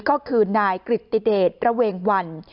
ก็คือนายกริติเดชระเวงวัน